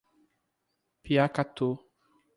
Piacatu